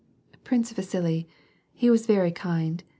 " Prince Vasili. He was very kind.